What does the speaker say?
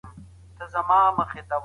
دا ورځ ډېره ښکلې ده